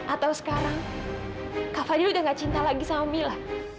atau sekarang kak fadil udah gak cinta lagi sama mila